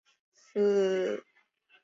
荒狼之后被狄萨德所复活。